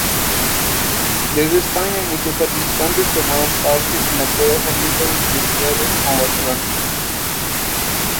Desde España muchos participantes tomaron parte en la prueba saliendo desde ciudades como Barcelona.